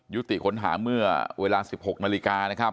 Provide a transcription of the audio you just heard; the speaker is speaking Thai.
ติค้นหาเมื่อเวลา๑๖นาฬิกานะครับ